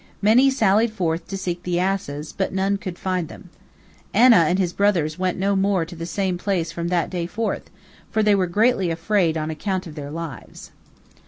Many sallied forth to seek the asses, but none could find them. Anah and his brothers went no more to the same place from that day forth, for they were greatly afraid on account of their lives.